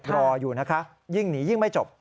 รออยู่นะคะยิ่งหนียิ่งไม่จบ